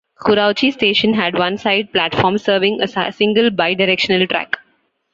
Kurauchi Station had one side platform serving a single bi-directional track.